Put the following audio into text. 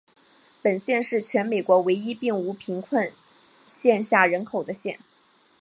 本县是全美国唯一并无贫穷线下人口的县。